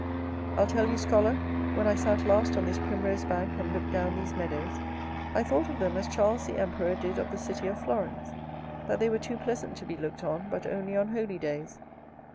I'll tell you, scholar; when I sat last on this primrose bank, and looked down these meadows, I thought of them as Charles the emperor did of the city of Florence: "That they were too pleasant to be looked on, but only on holy days".